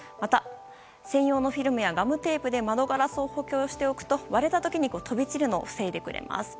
専用のフィルムやガムテープで窓ガラスを補強しておくと割れた時に飛び散るのを防いでくれます。